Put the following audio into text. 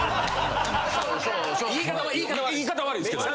言い方悪いんですけど。